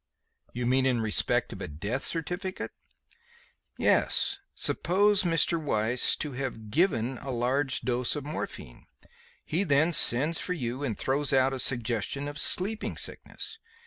"You mean in respect of a death certificate?" "Yes. Suppose Mr. Weiss to have given a large dose of morphine. He then sends for you and throws out a suggestion of sleeping sickness.